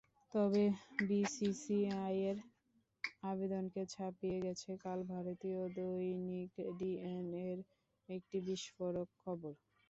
তবে বিসিসিআইয়ের আবেদনকে ছাপিয়ে গেছে কাল ভারতীয় দৈনিক ডিএনএ-র একটি বিস্ফোরক খবর।